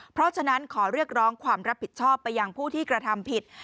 เพราะฉะนั้นขอเรียกร้องความรับผิดชอบไปยังผู้ที่กระทำผิด